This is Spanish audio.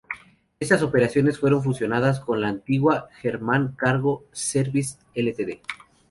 Estas operaciones fueron fusionadas con las de la "antigua" German Cargo Services Ltd.